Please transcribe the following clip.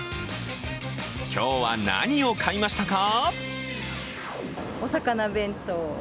今日は何を買いましたか？